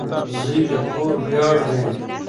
• زوی د کور ویاړ وي.